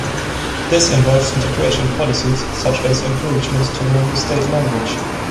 This involves integration policies such as encouragement to learn the state language.